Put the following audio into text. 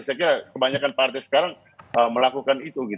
saya kira kebanyakan partai sekarang melakukan itu